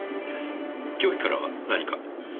凶器からは何か？